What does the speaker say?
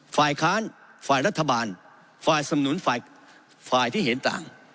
ฝ่ายค้านฝ่ายรัฐบาลฝ่ายสำนุนฝ่ายที่เห็นต่าง